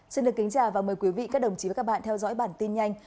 xin được kính chào và mời quý vị các đồng chí và các bạn theo dõi bản tin nhanh